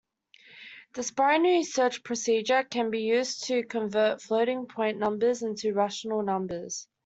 This binary search procedure can be used to convert floating-point numbers into rational numbers.